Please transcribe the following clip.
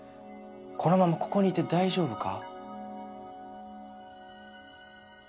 このままここにいて大丈夫か？